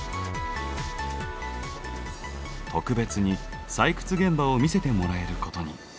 特別に採掘現場を見せてもらえることに。